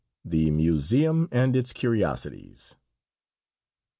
THE MUSEUM AND ITS CURIOSITIES.